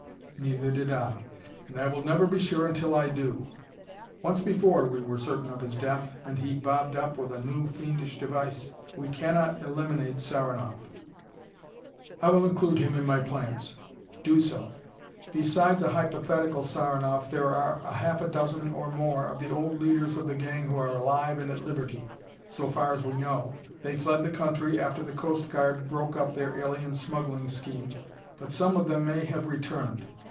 "Neither did I, and I will never be sure until I do. Once before we were certain of his death, and he bobbed up with a new fiendish device. We cannot eliminate Saranoff." "I will include him in my plans." "Do so. Besides a hypothetical Saranoff, there are a half dozen or more of the old leaders of the gang who are alive and at liberty, so far as we know. They fled the country after the Coast Guard broke up their alien smuggling scheme, but some of them may have returned.